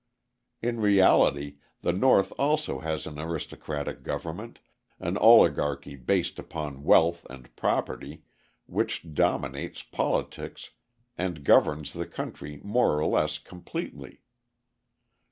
In reality the North also has an aristocratic government, an oligarchy based upon wealth and property, which dominates politics and governs the country more or less completely.